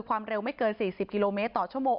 ความเร็วไม่เกิน๔๐กิโลเมตรต่อชั่วโมง